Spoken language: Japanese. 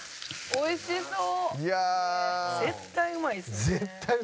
おいしそう！